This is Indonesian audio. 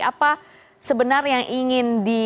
apa sebenarnya yang ingin